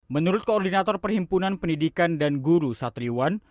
menurut koordinator perhimpunan pendidikan dan guru satriwan